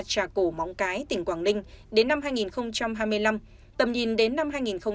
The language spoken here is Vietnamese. trà cổ móng cái tỉnh quảng ninh đến năm hai nghìn hai mươi năm tầm nhìn đến năm hai nghìn ba mươi